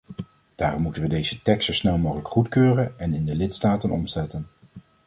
Daarom moeten we deze tekst zo snel mogelijk goedkeuren en in de lidstaten omzetten.